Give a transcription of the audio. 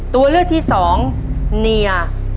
ตัวเลือกที่สองเนีย